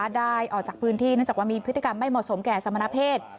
ได้ออกจากพื้นที่เนื่องจากว่ามีพฤติกรรมไม่เหมาะสมแก่สมณเพศ